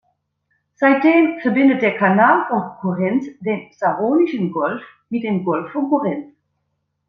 Seitdem verbindet der Kanal von Korinth den Saronischen Golf mit dem Golf von Korinth.